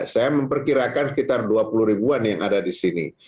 saya memperkirakan sekitar dua puluh ribuan yang ada di sini